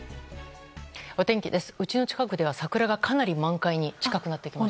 お天気です。